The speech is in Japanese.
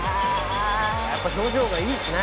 「やっぱ表情がいいですね！」